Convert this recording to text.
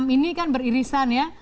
tiga enam ini kan beririsan ya